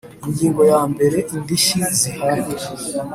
Ingingo ya mbere Indishyi zihana